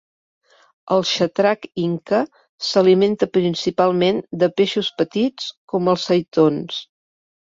El xatrac inca s'alimenta principalment de peixos petits, com els seitons.